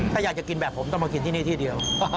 ถ้าอยากจะกินแบบผมต้องมากินที่นี่ที่เดียว